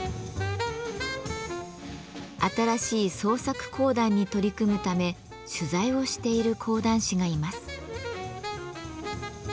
新しい創作講談に取り組むため取材をしている講談師がいます。